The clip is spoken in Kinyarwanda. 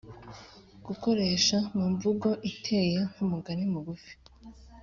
gukoresha mu mvugo iteye nk’umugani mugufi